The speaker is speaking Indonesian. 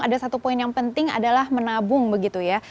ada satu poin yang penting adalah menabung begitu ya